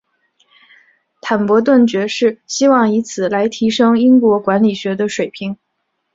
坦伯顿爵士希望以此来提升英国管理学的水平。